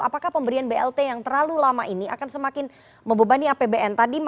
apakah pemberian blt yang terlalu lama ini akan semakin membebani apbn